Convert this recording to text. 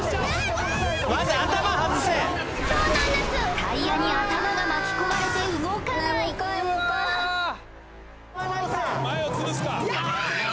タイヤに頭が巻き込まれて動かないヤバい！